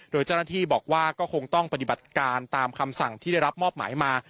โดยเจ้าหน้าที่บอกว่าก็คงต้องปฏิบัติการตามคำสั่งที่ได้รับมอบหมายมา